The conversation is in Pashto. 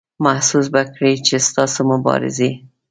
محسوس به کړئ چې ستاسو مبارزې.